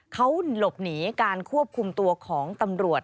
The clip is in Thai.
เขาหลบหนีการควบคุมตัวของตำรวจ